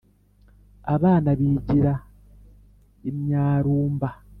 Abana bigira imyarumba